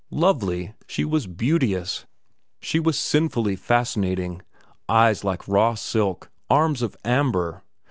"Lovely? She was beauteous, she was sinfully fascinating. Eyes like raw silk, arms of amber!